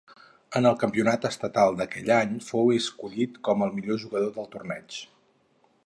En el campionat estatal d'aquell any fou escollit com el millor jugador del torneig.